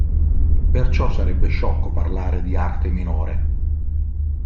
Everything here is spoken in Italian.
Perciò sarebbe sciocco di parlare di arte minore.